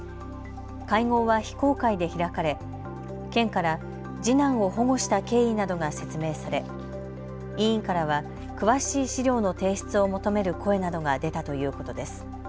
会合は非公開で開かれ県から次男を保護した経緯などが説明され委員からは詳しい資料の提出を求める声などが出たということです。